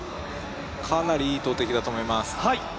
かなりいい投てきだと思います。